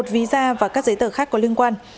một visa và các giấy tờ khác có liên quan